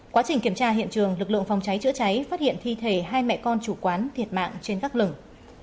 quá trình kiểm tra hiện trường lực lượng phòng cháy chữa cháy phát hiện thi thể hai mẹ con chủ quán thiệt mạng trên các lửng